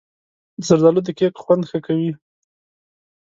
زردالو د کیک خوند ښه کوي.